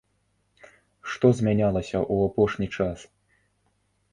Што змянялася ў апошні час?